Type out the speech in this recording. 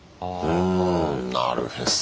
うんなるへそ。